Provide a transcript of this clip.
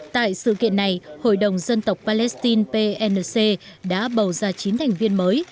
tại sự kiện này hội đồng dân tộc palestine pnc đã bầu ra chín thành viên mới